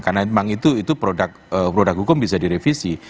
karena memang itu produk hukum bisa direvisi